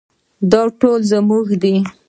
دا ټول زموږ دي